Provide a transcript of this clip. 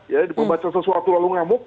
ya membaca sesuatu lalu ngamuk